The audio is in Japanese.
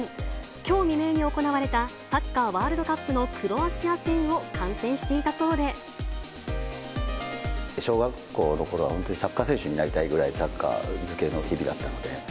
きょう未明に行われたサッカーワールドカップのクロアチア戦を観小学校のころは、本当にサッカー選手になりたいぐらい、サッカー漬けの日々だったので。